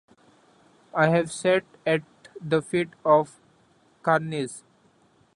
I have sat at the feet of Cairnes.